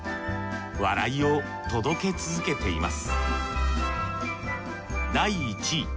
笑いを届け続けています